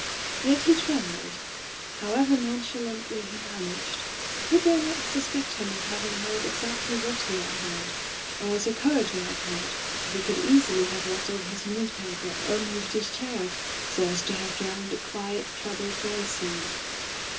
Yet he trem bled. However nonchalandy he managed, would they not suspect him of having heard exacdy what he had heard — ^and was a cur to have heard, for he could easily have rattled his newspaper or moved his chair so as to have drowned the quiet, troubled voices